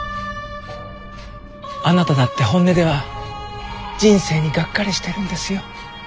あなただって本音では人生にがっかりしてるんですよ。